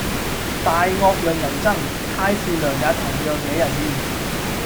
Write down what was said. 大惡讓人憎，太善良也同樣惹人厭